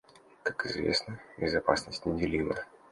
Как известно, безопасность — неделима.